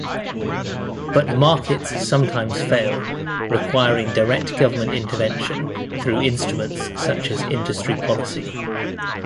But markets sometimes fail, requiring direct government intervention through instruments such as industry policy.